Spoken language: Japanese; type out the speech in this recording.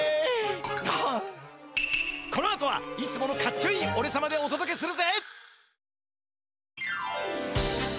このあとはいつものかっちょいいおれさまでおとどけするぜ！